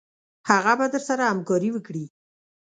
هغه به درسره همکاري وکړي.